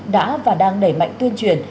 đã và đang đẩy mạnh tuyên truyền